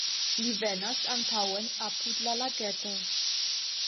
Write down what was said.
Li venas antaŭen apud la lageto.